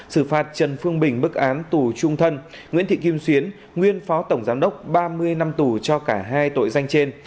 xử phạt trần phương bình mức án tù trung thân nguyễn thị kim xuyến nguyên phó tổng giám đốc ba mươi năm tù cho cả hai tội danh trên